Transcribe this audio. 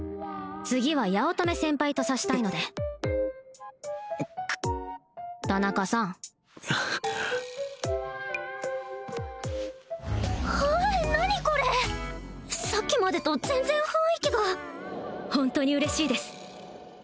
次は八乙女先輩と指したいので田中さんひえ何これさっきまでと全然雰囲気がホントに嬉しいです